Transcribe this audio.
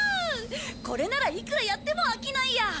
これならいくらやっても飽きないや。